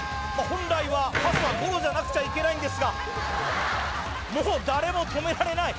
本来はパスはゴロじゃなくちゃいけないんですがもう誰も止められない